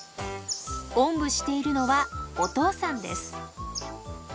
おんぶしているのはお父さんです。